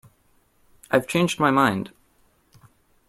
I’ve changed my mind